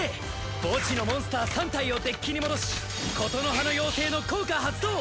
墓地のモンスター３体をデッキに戻しことのはの妖精の効果発動！